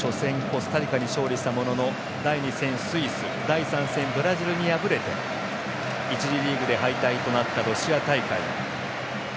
コスタリカに勝利したものの第２戦、スイス第３戦ブラジルに敗れて１次リーグで敗退となったロシア大会。